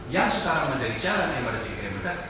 yang sekarang menjadi jalan emerging market